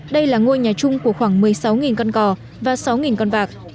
đây là ngôi nhà chung của khoảng một mươi sáu con cò và sáu con vạc